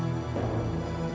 eh yaudah pak